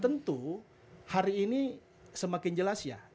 tentu hari ini semakin jelas ya